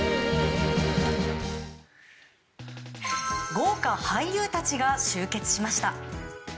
豪華俳優たちが集結しました。